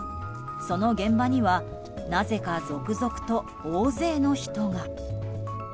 その現場にはなぜか続々と大勢の人が。